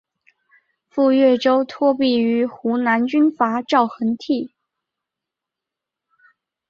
赴岳州托庇于湖南军阀赵恒惕。